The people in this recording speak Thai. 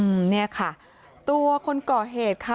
ไม่ตั้งใจครับ